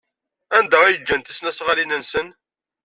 Anda ay ǧǧan tisnasɣalin-nsen?